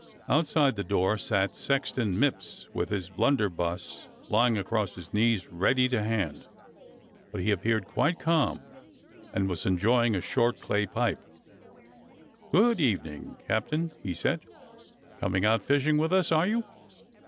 Outside the door sat Sexton Mipps with his blunderbuss lying across his knees, ready to hand. But he appeared quite calm, and was enjoying his short clay pipe. "Good evening. Captain," he said. "Coming out fishing with us, are you?